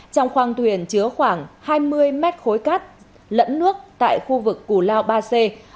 trong khoang thuyền chứa khoảng hai mươi mét khối cát lẫn nước tại khu vực củ lao ba c